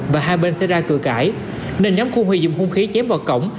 và hai bên sẽ ra cửa cải nên nhóm khu huy dùng hung khí chém vào cổng